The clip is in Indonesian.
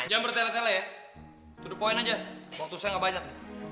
jangan bertele tele ya to the point aja waktu saya gak banyak